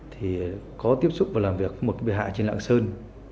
thì có tiếp xúc và làm việc một cái bị hại trên lạng sơn